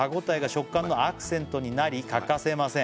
「食感のアクセントになり欠かせません」